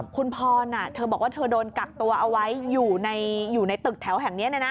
คุณพรเธอบอกว่าเธอโดนกักตัวเอาไว้อยู่ในตึกแถวแห่งนี้